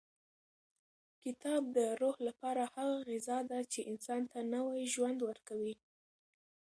کتاب د روح لپاره هغه غذا ده چې انسان ته نوی ژوند ورکوي.